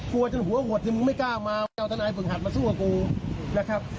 กลัวจนหัวหดถึงมึงไม่กล้าออกมาเอาธนายฝึกหัดมาสู้กับกูนะครับ